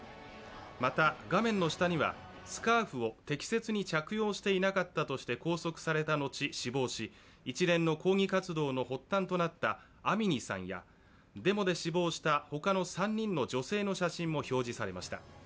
また画面の下にはスカーフを適切に着用していなかったとして拘束された後、死亡し、一連の抗議活動の発端となったアミニさんやデモで死亡した他の３人の写真も表示されました。